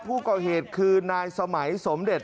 ผู้ก่อเหตุคือนายสมัยสมเด็จ